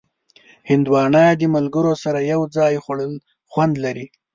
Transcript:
هندوانه د ملګرو سره یو ځای خوړل خوند لري.